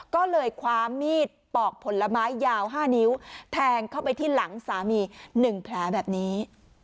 ก็เลยคว้ามีดปอกผลไม้ยาว๕นิ้วแทงเข้าไปที่หลังสามี๑แผลแบบนี้